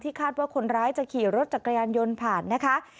คาดว่าคนร้ายจะขี่รถจักรยานยนต์ผ่านนะคะ